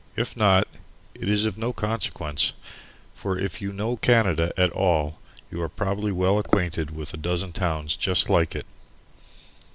If not, it is of no consequence, for if you know Canada at all, you are probably well acquainted with a dozen towns just like it.